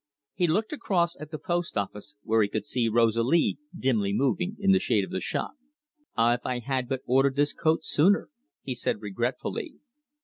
He looked across at the post office, where he could see Rosalie dimly moving in the shade of the shop. "Ah, if I had but ordered this coat sooner!" he said regretfully.